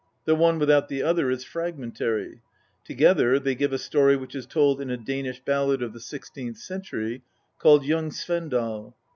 The one without the other is fragmentary ; together they give a story which is told in a Danish ballad of the sixteenth century called " Young Svendal."